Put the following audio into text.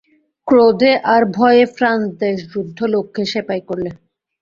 ক্রোধে আর ভয়ে ফ্রান্সদেশযুদ্ধ লোককে সেপাই করলে।